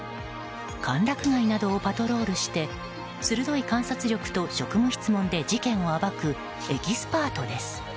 歓楽街などをパトロールして鋭い観察力と職務質問で事件を暴くエキスパートです。